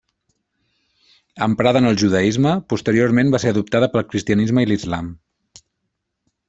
Emprada en el judaisme, posteriorment va ser adoptada pel cristianisme i l'islam.